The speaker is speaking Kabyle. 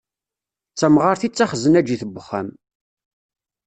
D tamɣart i d taxeznaǧit n uxxam.